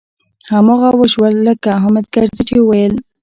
هماغه و شول لکه حامد کرزي چې ويل.